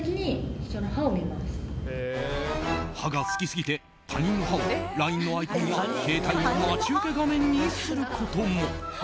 歯が好きすぎて、他人の歯をＬＩＮＥのアイコンや携帯の待ち受け画面にすることも。